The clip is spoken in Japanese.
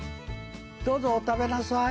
どうぞお食べなさい。